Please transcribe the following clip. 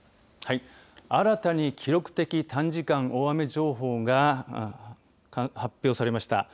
新たに記録的短時間大雨情報が発表されました。